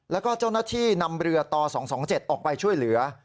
แล้วก็เจ้าหน้าที่นำเรือต่อ๒๒๗ออกไปช่วยเหลือ